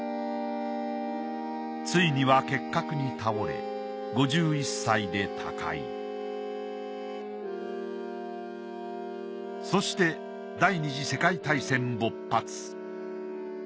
ついには結核に倒れ５１歳で他界そして第二次世界大戦勃発。